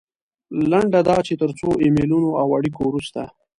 لنډه دا چې تر څو ایمیلونو او اړیکو وروسته.